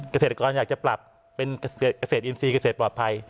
เกษตรกรอยากจะปรับเป็นเกษตรอินทรีย์เกษตรปลอดภัย